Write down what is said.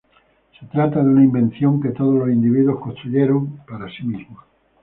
Se trata de una invención que todos los individuos construyen para sí mismos.